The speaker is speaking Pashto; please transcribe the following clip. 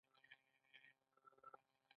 دغې سیمې پر افریقایي معیارونو متمرکز جوړښت درلود.